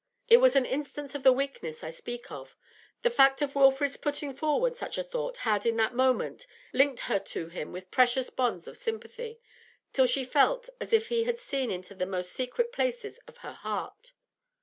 It was an instance of the weakness I speak of; the fact of Wilfrid's putting forward such a thought had in that moment linked her to him with precious bonds of sympathy, till she felt as if he had seen into the most secret places of her heart.